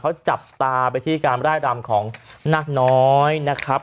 เขาจับตาไปที่การร่ายรำของนักน้อยนะครับ